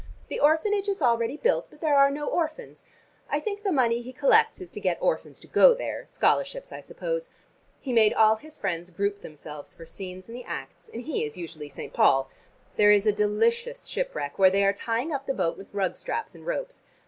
The orphanage is already built, but there are no orphans. I think the money he collects is to get orphans to go there, scholarships I suppose. He made all his friends group themselves for scenes in the acts, and he is usually St. Paul. There is a delicious shipwreck where they are tying up the boat with rug straps and ropes.